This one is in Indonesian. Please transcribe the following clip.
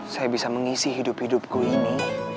saya bisa mengisi hidup hidupku ini